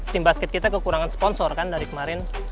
tim basket kita kekurangan sponsor kan dari kemarin